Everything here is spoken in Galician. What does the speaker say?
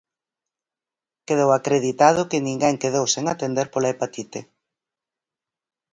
Quedou acreditado que ninguén quedou sen atender pola hepatite.